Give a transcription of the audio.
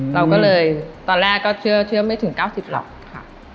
เราก็เลยตอนแรกก็เชื่อไม่ถึง๙๐หรอกค่ะ